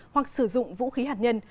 hoặc sử dụng vũ khí hạt nhân